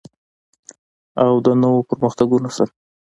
او د نویو پرمختګونو سره.